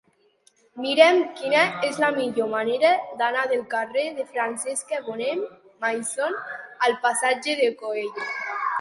Mira'm quina és la millor manera d'anar del carrer de Francesca Bonnemaison al passatge de Coello.